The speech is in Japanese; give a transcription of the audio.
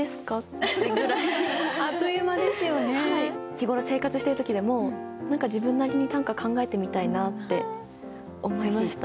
日頃生活してる時でも何か自分なりに短歌考えてみたいなって思いました。